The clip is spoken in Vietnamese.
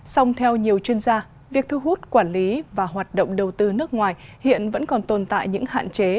song theo nhiều chuyên gia việc thu hút quản lý và hoạt động đầu tư nước ngoài hiện vẫn còn tồn tại những hạn chế